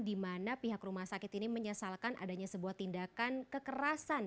di mana pihak rumah sakit ini menyesalkan adanya sebuah tindakan kekerasan